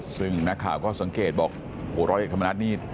ซึ่งนักข่าวก็สังเกตบอกโหร้อยเอกธรรมนัฐนี่